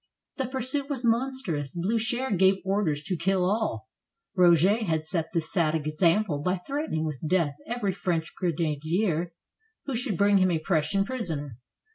The pursuit was monstrous. Bliicher gave orders to kill all. Roguet had set this sad example by threatening with death every French grenadier who should bring him a Prussian prisoner.